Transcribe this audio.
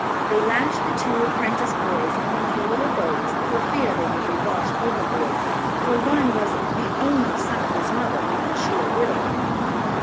They lashed the two apprentice boys in one of the little boats, for fear they would be washed overboard, for one was the "only son of his mother, and she a widow."